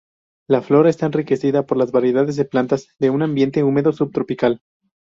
La flora está enriquecida por las variedades de plantas de un ambiente húmedo subtropical.